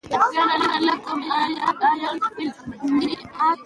تالابونه د افغانستان طبعي ثروت دی.